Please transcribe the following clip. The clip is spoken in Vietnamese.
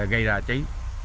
gây ra cháy